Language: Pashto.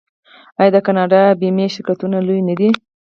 آیا د کاناډا بیمې شرکتونه لوی نه دي؟